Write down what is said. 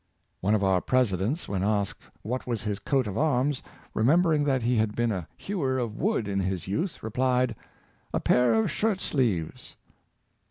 One of our Presidents, when asked what was his coat of arms, remembering that he had been a hewer of wood in his youth, replied, " a pair of shirt sleeves."